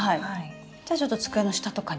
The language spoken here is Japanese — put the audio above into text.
じゃあちょっと机の下とかに。